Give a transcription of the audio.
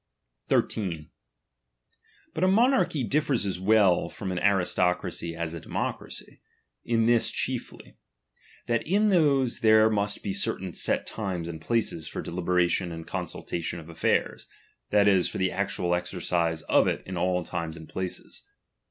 13. But a monarchy differs as well from au nristocracij as a dcmocracij, in this chiefly ; that in those there must be certain set times and places for deliberation and consultation of affairs, that is, for the actual exercise of it in all times and places.